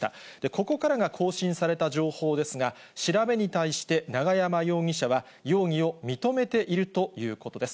ここからが更新された情報ですが、調べに対して永山容疑者は、容疑を認めているということです。